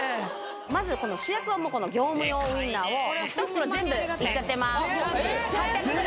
まずこの主役はこの業務用ウインナーを１袋全部いっちゃってます８００ｇ